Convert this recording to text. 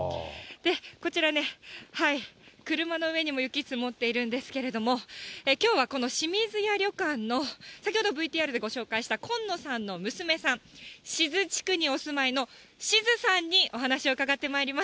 こちら、車の上にも雪、積もっているんですけれども、きょうはこの清水屋旅館の先ほどＶＴＲでご紹介した今野さんの娘さん、志津地区にお住まいの、志津さんにお話を伺ってまいります。